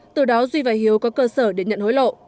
từ đó duy và hiếu có cơ sở để nhận hối lộ